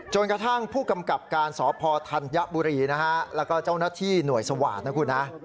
จนกระทั่งผู้กำกับการสพธัญบุรีนะฮะแล้วก็เจ้าหน้าที่หน่วยสวาสตร์นะคุณฮะ